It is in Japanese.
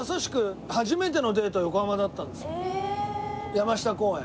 山下公園。